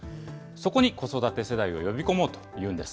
そこに子育て世代を呼び込もうというんです。